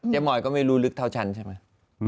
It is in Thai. มอยก็ไม่รู้ลึกเท่าฉันใช่ไหม